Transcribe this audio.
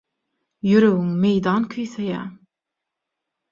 Ýüregiň meýdan küýseýär.